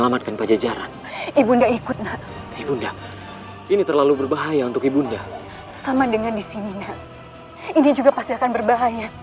sampai jumpa di video selanjutnya